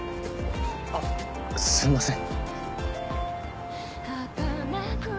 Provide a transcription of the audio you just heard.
あっすいません。